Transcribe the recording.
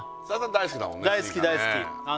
大好き大好き